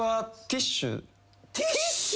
ティッシュ！？